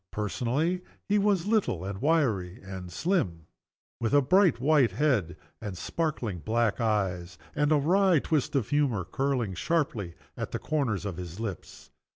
Personally, he was little and wiry and slim with a bright white head, and sparkling black eyes, and a wry twist of humor curling sharply at the corners of his lips.